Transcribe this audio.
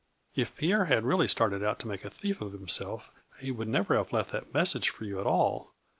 If Pierre had really started out to make a thief of himself he would never have left that message for you at all.